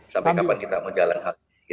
sampai kapan kita mau jalan hal ini